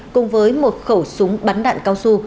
cùng với một khẩu súng bắn đạn cao su